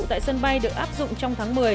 tại sân bay được áp dụng trong tháng một mươi